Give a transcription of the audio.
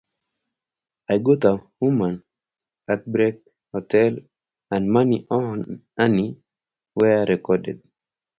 "I Got a Woman", "Heartbreak Hotel", and "Money Honey" were recorded.